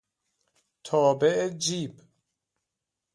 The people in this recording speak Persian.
تابع جیب